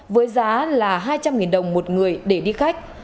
với giá là hai trăm linh đồng một người để đi khách